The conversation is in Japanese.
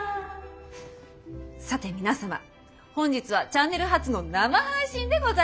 さて皆様本日はチャンネル初の生配信でございます。